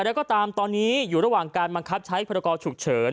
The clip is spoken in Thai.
แล้วก็ตามตอนนี้อยู่ระหว่างการบังคับใช้พรกรฉุกเฉิน